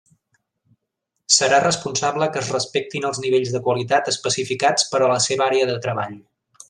Serà responsable que es respectin els nivells de qualitat especificats per a la seva àrea de treball.